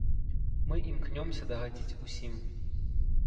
Мы імкнёмся дагадзіць усім.